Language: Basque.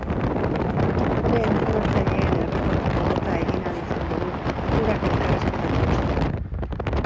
Gure entrenatzaileen erretratu robota egin ahal izan dugu eurak elkarrizketatu ostean.